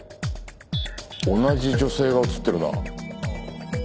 同じ女性が映ってるな。